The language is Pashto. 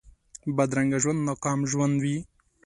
بدرنګه ژوند ناکام ژوند وي